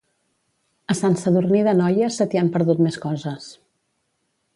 A Sant Sadurní d'Anoia se t'hi han perdut més coses